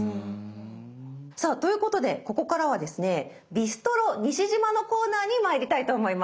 さあということでここからはですね「ビストロＮＩＳＨＩＪＩＭＡ」のコーナーに参りたいと思います。